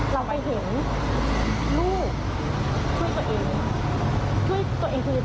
เราไปเห็นลูกช่วยตัวเอง